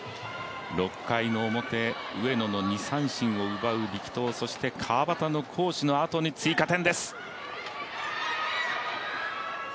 ６回の表、上野の二・三振を奪う力投そして川畑の攻守のあとに追加点。